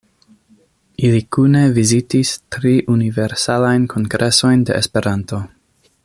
Ili kune vizitis tri Universalajn Kongresojn de Esperanto.